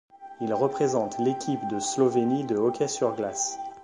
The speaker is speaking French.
Il représente l'Équipe de Slovénie de hockey sur glace.